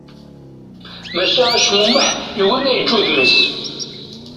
Maca acmumeḥ yugi ad yeǧǧ udem-is.